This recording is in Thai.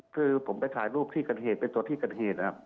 คือผมไปถ่ายรูปที่กันเหตุไปจดที่กันเหตุ